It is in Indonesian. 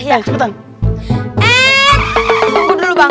eh tunggu dulu bang